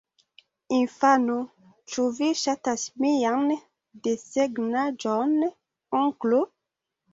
Infano: "Ĉu vi ŝatas mian desegnaĵon, onklo?"